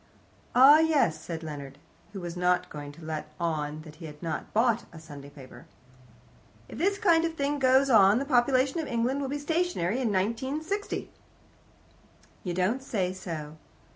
"Ah, yes," said Leonard, who was not going to let on that he had not bought a Sunday paper. "If this kind of thing goes on the population of England will be stationary in 1960." "You don't say so."